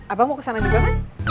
abang mau kesana juga kan